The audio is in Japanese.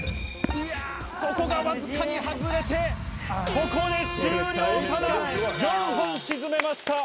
ここが僅かに外れて、ここで終了、ただ４本沈めました。